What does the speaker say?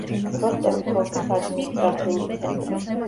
როსტოვის ოლქის ადმინისტრაციული ცენტრი.